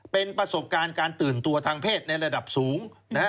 เป็นประสบการณ์การตื่นตัวทางเพศในระดับสูงนะฮะ